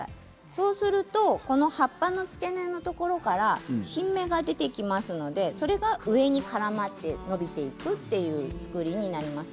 そうすると葉っぱの付け根のところから新芽が出てきてそれが上に絡まって伸びていく作りになります。